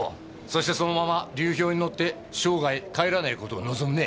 そしてそのまま流氷に乗って生涯帰らないことを望むね。